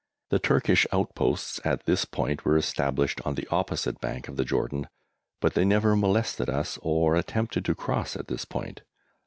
The Turkish outposts at this point were established on the opposite bank of the Jordan, but they never molested us, or attempted to cross at this point.